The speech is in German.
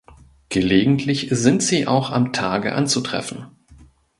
Gelegentlich sind sie auch am Tage anzutreffen.